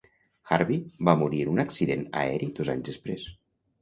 Harbi va morir en un accident aeri dos anys després.